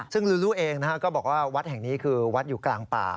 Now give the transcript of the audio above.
ซึ่งลูลูเองก็บอกว่าวัดแห่งนี้คือวัดอยู่กลางป่า